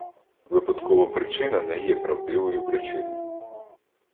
Випадкова причина не є правдивою причиною.